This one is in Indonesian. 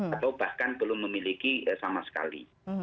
atau bahkan belum memiliki sama sekali